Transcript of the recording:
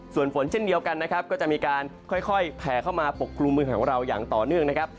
ส่วนฝนเช่นเดียวกันนะครับก็จะมีการค่อยแผ่เข้ามาปกกลุ่มเมืองของเราอย่างต่อเนื่องนะครับ